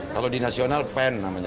kalau di nasional pen namanya